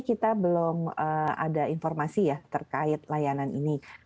kita belum ada informasi ya terkait layanan ini